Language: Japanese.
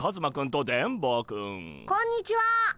こんにちは。